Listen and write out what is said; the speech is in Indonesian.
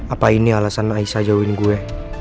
apa ini alasan aisyah jauhin gue